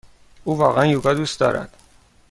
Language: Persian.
او واقعا یوگا دوست دارد.